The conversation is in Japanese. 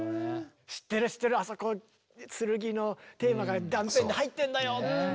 知ってる知ってるあそこ剣のテーマが断片で入ってんだよ。